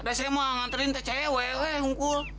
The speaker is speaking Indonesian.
desi mah nganterin cewek weh ungkul